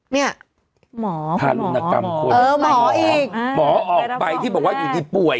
เนี่ยหมอทารุณกรรมคนเออหมออีกหมอออกไปที่บอกว่าอยู่ดีป่วย